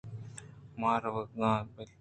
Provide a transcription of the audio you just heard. من ءَ روگ ءَ بِل